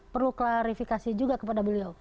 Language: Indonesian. perlu klarifikasi juga kepada beliau